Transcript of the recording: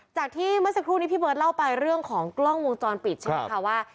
จากที่เมื่อสักครู่นี้พี่เบิร์ตเล่าไปเรื่องของกล้องวงจรปิดใช่ไหมคะว่า